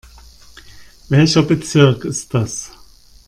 Welcher Bezirk ist das?